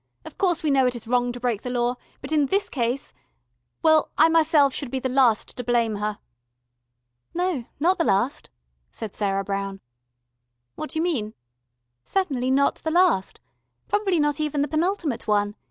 "Of course we know it is wrong to break the law, but in this case well, I myself should be the last to blame her." "No, not the last," said Sarah Brown. "What do you mean?" "Certainly not the last. Probably not even the penultimate one.